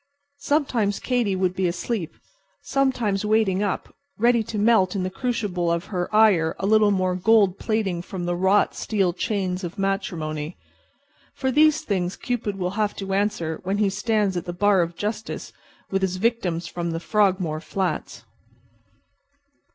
Sometimes Katy would be asleep; sometimes waiting up, ready to melt in the crucible of her ire a little more gold plating from the wrought steel chains of matrimony. For these things Cupid will have to answer when he stands at the bar of justice with his victims from the Frogmore flats.